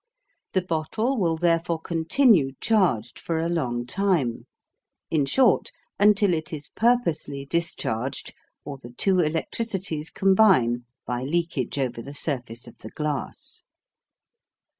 The bottle will therefore continue charged for a long time; in short, until it is purposely discharged or the two electricities combine by leakage over the surface of the glass.